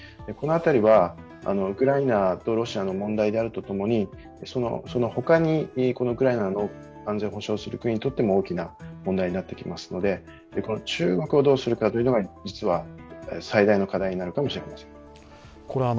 この辺りはウクライナとロシアの問題であるとともにその他にウクライナの安全を保証する国にとっても大きな問題になってきますので、中国をどうするかというのが実は最大の課題になるかもしれません。